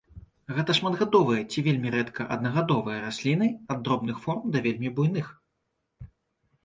Гэта шматгадовыя ці вельмі рэдка аднагадовыя расліны ад дробных форм да вельмі буйных.